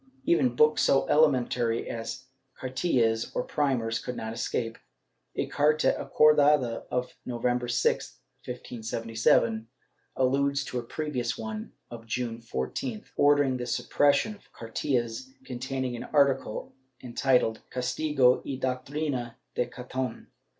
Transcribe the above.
Even books so elementary as cartillas, or primers, could not escape. A carta acordada of November 6, 1577, alludes to a previous one of June 14th, ordering the suppression of cartillas containing an article entitled "Castigo y doctrina de Caton."